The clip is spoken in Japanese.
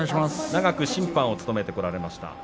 長く審判を務めてこられました。